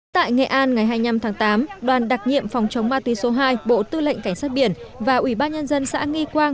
tại nghệ an ngày hai mươi năm tháng tám đoàn đặc nhiệm phòng chống ma túy số hai bộ tư lệnh cảnh sát biển và ủy ban nhân dân xã nghi quang